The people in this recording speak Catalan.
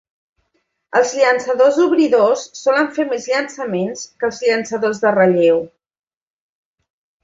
Els llançadors obridors solen fer més llançaments que els llançadors de relleu.